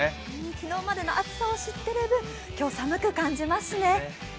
昨日までの暑さを知ってる分今日寒く感じますね。